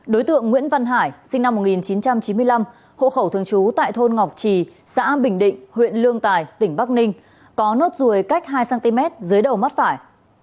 đối tượng nguyễn văn hải sinh năm một nghìn chín trăm chín mươi năm hộ khẩu thường trú tại thôn ngọc trì xã bình định huyện lương tài tỉnh bắc ninh có nốt ruồi cách hai cm dưới đầu mắt phải